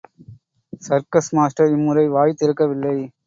Circus master இம்முறை வாய் திறக்கவில்லை.